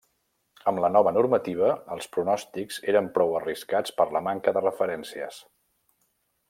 Amb la nova normativa, els pronòstics eren prou arriscats per la manca de referències.